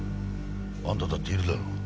あんただっているだろ？